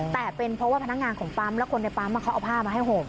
แต่เป็นเพราะว่าพนักงานของปั๊มและคนในปั๊มเขาเอาผ้ามาให้ห่ม